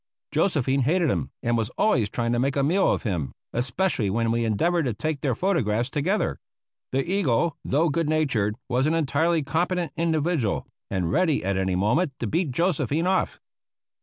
Josephine hated him and was always trying to make a meal of him, especially when we endeavored to take their photographs together. The eagle, though good natured, was an entirely competent individual and ready at any moment to beat Josephine off.